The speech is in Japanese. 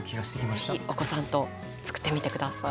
是非お子さんとつくってみて下さい。